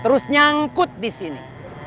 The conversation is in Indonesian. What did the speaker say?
terus nyangkut disini